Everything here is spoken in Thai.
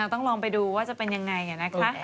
ต้องลองไปดูว่าจะเป็นยังไงนะคะ